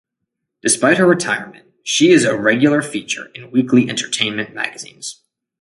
Despite her retirement, she is a regular feature in weekly entertainment magazines.